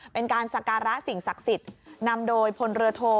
เป็นการสการะสิ่งศักดิ์สิทธิ์นำโดยพลเรือโท